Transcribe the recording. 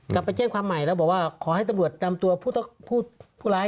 กลับไปแจ้งความใหม่แล้วบอกว่าขอให้ตำรวจนำตัวผู้ร้าย